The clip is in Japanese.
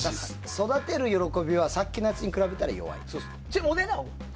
育てる喜びはさっきに比べると弱いかな？